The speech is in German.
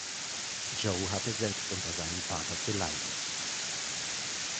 Joe hatte selbst unter seinem Vater zu leiden.